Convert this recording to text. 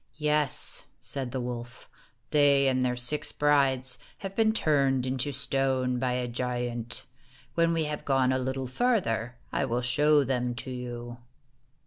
"Yes," said the wolf, " they and their six brides have been turned into stone by a giant. When we have gone a little farther, I will show them to you."